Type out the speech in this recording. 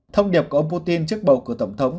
thông điệp của ông putin trước bầu cử tổng thống